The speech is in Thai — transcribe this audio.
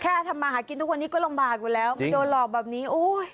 ทำมาหากินทุกวันนี้ก็ลำบากอยู่แล้วมาโดนหลอกแบบนี้โอ้ย